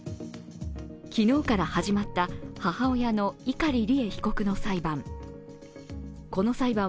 昨日から始まった母親の碇利恵被告の裁判。